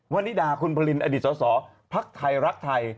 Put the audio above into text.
วณิดาคุณปริณอดิษฐ์สอพรรคไทยรักไทย